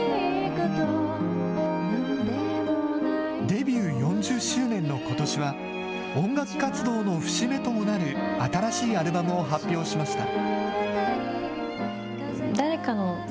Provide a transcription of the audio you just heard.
デビュー４０周年のことしは、音楽活動の節目ともなる新しいアルバムを発表しました。